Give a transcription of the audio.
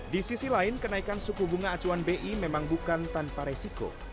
di sisi lain kenaikan suku bunga acuan bi memang bukan tanpa resiko